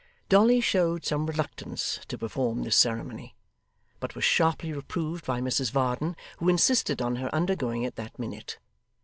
Dolly showed some reluctance to perform this ceremony, but was sharply reproved by Mrs Varden, who insisted on her undergoing it that minute.